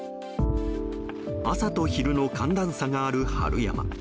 朝と昼の寒暖差がある春山。